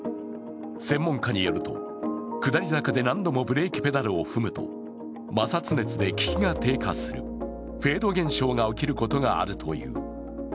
専門家によると、下り坂で何度もブレーキペダルを踏むと、摩擦熱で利きが低下するフェード現象が起きることがあるという。